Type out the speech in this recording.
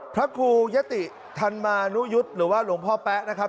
พระครูยะติธรรมานุยุทธ์หรือว่าหลวงพ่อแป๊ะนะครับ